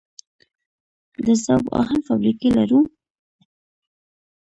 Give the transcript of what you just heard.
د ذوب اهن فابریکې لرو؟